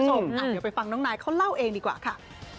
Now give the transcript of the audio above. เดี๋ยวไปฟังน้องนายเขาเล่าเองดีกว่าค่ะ